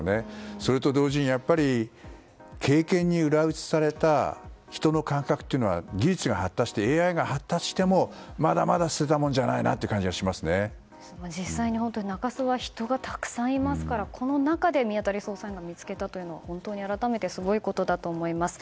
それと同時に、経験に裏打ちされた人の感覚というのは技術が発達してＡＩが発達してもまだまだ捨てたもんじゃないな実際に中洲は人がたくさんいますからこの中で見当たり捜査員が見つけたのは改めてすごいことだと思います。